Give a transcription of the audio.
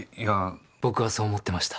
僕はそう思ってました。